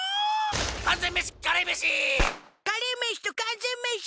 完全メシカレーメシカレーメシと完全メシ